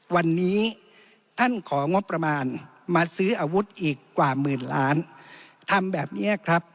วันนี้ท่านของงบประมาณมาซื้ออาวุธอีกกว่าหมื่นล้านทำแบบนี้ครับ